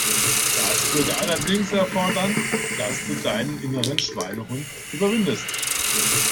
Das würde allerdings erfordern, dass du deinen inneren Schweinehund überwindest.